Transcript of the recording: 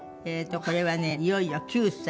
これはね「いよいよ９才」。